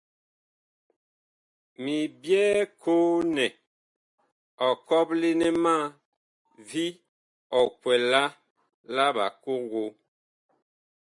Mi byɛɛ koo nɛ ɔ kɔple má vi ɔkwɛlaa la bakogo.